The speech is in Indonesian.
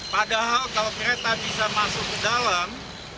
padahal kalau kereta bisa masuk ke dalam